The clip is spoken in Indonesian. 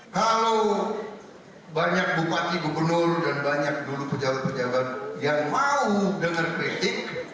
kalau banyak bupati gubernur dan banyak dulu pejabat pejabat yang mau dengar kritik